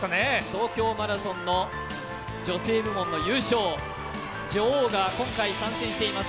東京マラソンの女性部門の優勝、女王が今回参戦しています。